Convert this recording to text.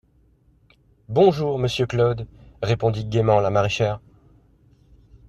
Bonjour, monsieur Claude, répondit gaiement la maraîchère.